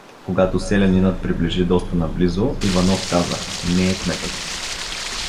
Когато селянинът приближи доста наблизо, Иванов каза: — Не е кметът.